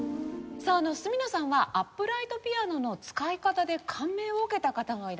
さあ角野さんはアップライトピアノの使い方で感銘を受けた方がいらっしゃるんですか？